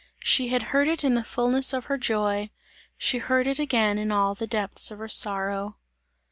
She had heard it in the fullness of her joy, she heard it again in all the depths of her sorrow.